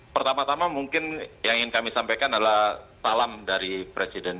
pertama tama mungkin yang ingin kami sampaikan adalah salam dari presiden